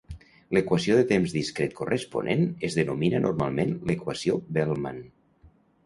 L'equació de temps discret corresponent es denomina normalment l'equació Bellman.